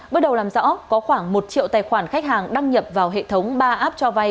bước đầu làm rõ có khoảng một triệu tài khoản khách hàng đăng nhập vào hệ thống ba app cho vay